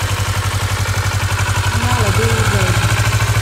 Smalediu regl.